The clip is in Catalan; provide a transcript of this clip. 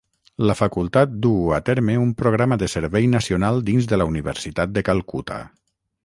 La facultat duu a terme un Programa de Servei Nacional dins de la Universitat de Calcuta.